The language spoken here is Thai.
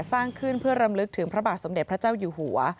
สร้างขึ้นเพื่อรำลึกถึงพระบาทสมเด็จพระเจ้าอยู่หัว